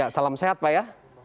salam sehat pak ya